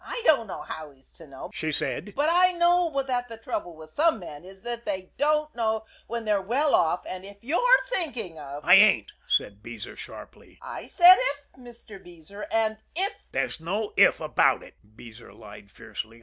"I don't know how he's to know," she said, "but I know that the trouble with some men is that they don't know when they're well off, and if you're thinking of " "I ain't," said Beezer sharply. "I said 'if,' Mr. Beezer; and if " "There's no 'if' about it," Beezer lied fiercely.